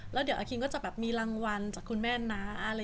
แล้วเดี๋ยวอาคิงก็จะแบบมีรางวัลจากคุณแม่นะ